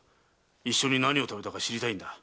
一緒に何を食べたか知りたいんだ。